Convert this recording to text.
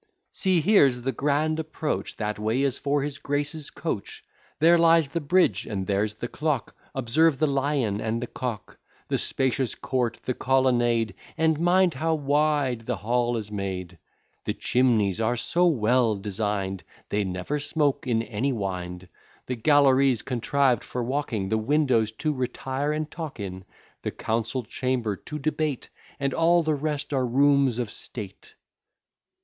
See, here's the grand approach, That way is for his grace's coach; There lies the bridge, and there the clock, Observe the lion and the cock; The spacious court, the colonnade, And mind how wide the hall is made; The chimneys are so well design'd, They never smoke in any wind: The galleries contrived for walking, The windows to retire and talk in; The council chamber to debate, And all the rest are rooms of state.